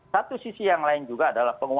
satu sisi yang lain juga adalah